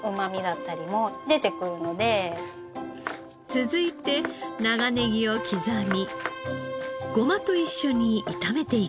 続いて長ネギを刻みごまと一緒に炒めていきます。